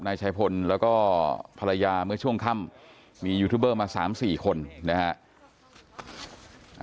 นายชายพลแล้วก็ภรรยาเมื่อช่วงค่ำมียูทูบเบอร์มา๓๔คนนะฮะ